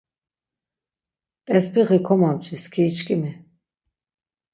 Ťesbixi komomçi skiri çkimi.